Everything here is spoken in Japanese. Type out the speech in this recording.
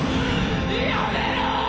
やめろ！